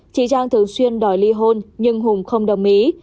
chị trang thường xuyên đòi ly hôn nhưng hùng không đồng ý